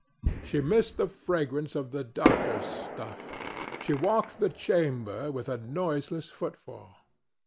She missed the fragrance of the doctor's stuff. She walked the chamber with a noiseless footfall.